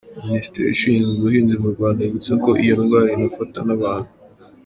Ministeri ishinzwe ubuhinzi mu Rwanda yibutsa ko iyo ndwara inafata n'abantu.